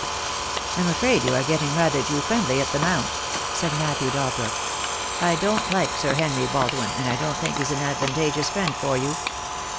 "I'm afraid you are getting rather too friendly at the Mount," said Matthew Dalbrook. "I don't like Sir Henry Baldwin, and I don't think he's an advantageous friend for you."